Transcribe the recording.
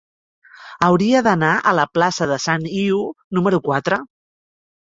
Hauria d'anar a la plaça de Sant Iu número quatre.